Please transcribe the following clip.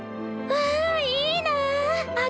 わあいいなあ！